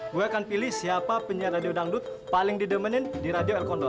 gue akan pilih siapa penyiar radio dangdut paling didemenin di radio elcondo